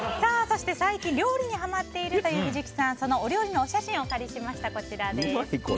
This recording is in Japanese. そして、最近料理にはまっているという藤木さん、そのお料理のお写真をお借りしました。